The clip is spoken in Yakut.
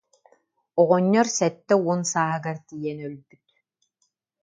Оҕонньор сэттэ уон сааһыгар тиийэн өлбүт